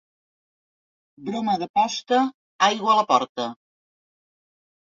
Broma de posta, aigua a la porta.